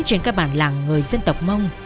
trên các bản làng người dân tộc mông